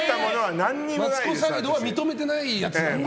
マツコさんサイドは認めてないやつ。